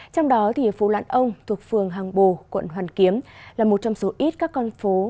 trong đó phố lãn ông thuộc phường hàng bồ quận hoàn kiếm là một trong số ít các con phố